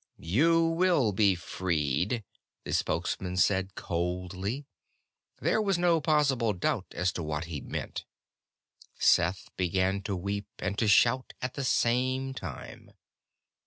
"You will be freed," the Spokesman said coldly. There was no possible doubt as to what he meant. Seth began to weep and to shout at the same time.